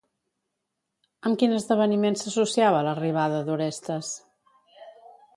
Amb quin esdeveniment s'associava l'arribada d'Orestes?